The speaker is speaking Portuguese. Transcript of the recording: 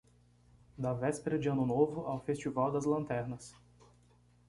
Da véspera de Ano Novo ao Festival das Lanternas